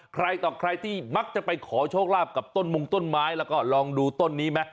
ใครต่อใครที่มักจะไปขอโชคลาภกับต้นมงต้นไม้แล้วก็ลองดูต้นนี้ไหม